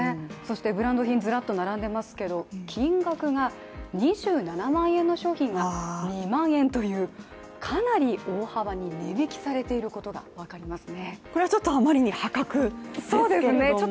そしてブランド品ずらっと並んでますけど金額が２７万円の商品が２万円というかなり大幅に値引きされていることがわかりますね。